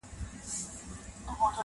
• او کارونه د بل چا کوي,